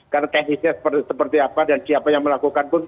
karena teknisnya seperti apa dan siapa yang melakukan pun